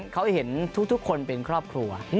เขาเห็นทุกคนเป็นครอบครัว